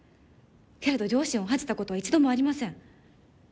けれど両親を恥じたことは一度もありません。